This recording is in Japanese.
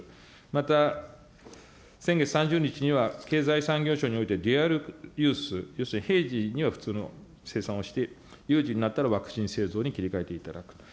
また先月３０日には、経済産業省においてデュアルユース、要するに平時には普通の生産をして、有事になったらワクチン製造に切り替えていただく。